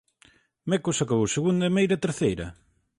Mecos acabou segunda e Meira terceira.